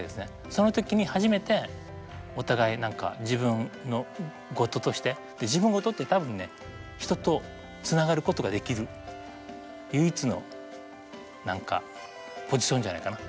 その時に初めてお互い何か自分事として自分事って多分ね人とつながることができる唯一のポジションじゃないかな？